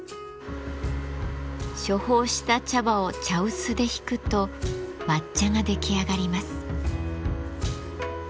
処方した茶葉を茶臼でひくと抹茶が出来上がります。